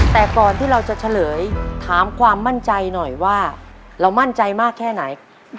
แต่ก่อนที่เราจะเฉลยถามความมั่นใจหน่อยว่าเรามั่นใจมากแค่ไหน